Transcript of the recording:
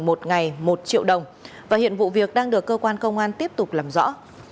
một ngày một triệu đồng và hiện vụ việc đang được cơ quan công an tiếp tục làm rõ